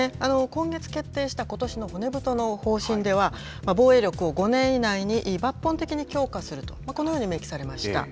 今月決定したことしの骨太の方針では、防衛力を５年以内に抜本的に強化すると、このように明記されました。